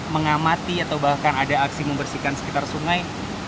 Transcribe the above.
mengamati atau bahkan ada aksi membersihkan sekitar sungai